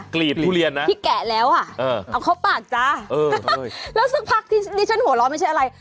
กลีบทุเรียนนะเออเอาเข้าปากจ้าแล้วสักพักนี่ฉันหัวร้อนไม่ใช่อะไร